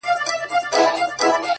• د بلا مخ ته هغه وو پرې ایستلی ,